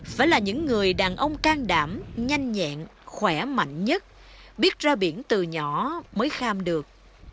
phải là những người đàn ông trang đảm nhanh nhẹn khỏe mạnh nhất biết ra biển từ nhỏ mới kham được